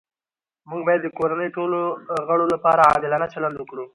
موږ باید د کورنۍ ټولو غړو لپاره عادلانه چلند وکړو